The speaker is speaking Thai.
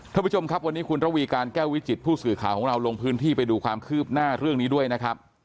ท่านผู้ชมครับวันนี้คุณระวีการแก้ววิจิตผู้สื่อข่าวของเราลงพื้นที่ไปดูความคืบหน้าเรื่องนี้ด้วยนะครับ